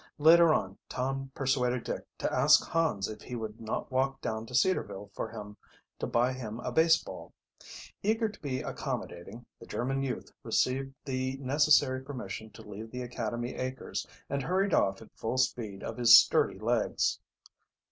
Later on Tom persuaded Dick to ask Hans if he would not walk down to Cedarville for him, to buy him a baseball. Eager to be accommodating, the German youth received the necessary permission to leave the academy acres and hurried off at the full speed of his sturdy legs.